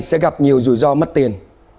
sẽ gặp nhiều rủi ro mất tiền